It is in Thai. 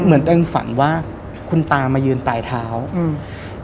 เหมือนตัวเองฝันว่าคุณตามายืนปลายเท้าอืม